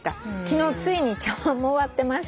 「昨日ついに茶わんも割ってました」